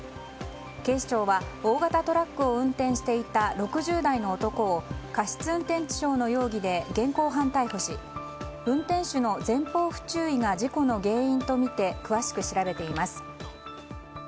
警視庁は大型トラックを運転していた６０代の男を過失運転致傷の容疑で現行犯逮捕し運転手の前方不注意が事故の原因とみて詳しく調べています。